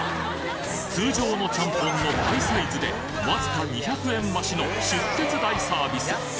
通常のちゃんぽんの倍サイズでわずか２００円増しの出血大サービス